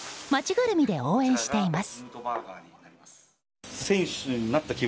ぐるみで応援しています。